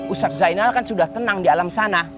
ustadz zainal kan sudah tenang di alam sana